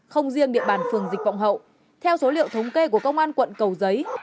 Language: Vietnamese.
không riêng địa bàn phường dịch vọng hậu theo số liệu thống kê của công an quận cầu giấy